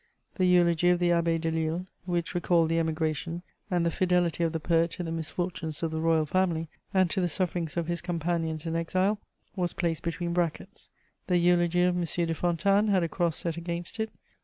The eulogy of the Abbé Delille, which recalled the Emigration and the fidelity of the poet to the misfortunes of the Royal Family and to the sufferings of his companions in exile, was placed between brackets; the eulogy of M. de Fontanes had a cross set against it.